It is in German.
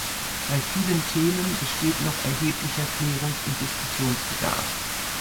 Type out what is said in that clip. Bei vielen Themen besteht noch erheblicher Klärungs- und Diskussionsbedarf.